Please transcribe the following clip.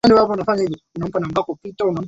Dadangu amerudi nyumbani.